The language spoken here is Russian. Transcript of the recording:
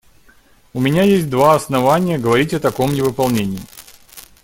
У меня есть два основания говорить о таком невыполнении.